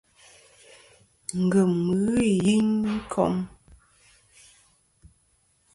Ngèm ghɨ i yiyn i kom.